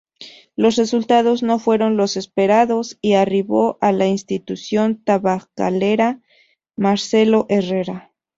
Los resultados no fueron los esperados y arribó a la institución "tabacalera" Marcelo Herrera.